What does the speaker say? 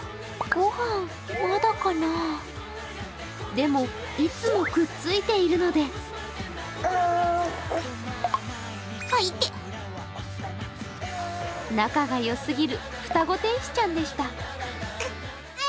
でも、いつもくっついているので仲がよすぎる双子天使ちゃんでした。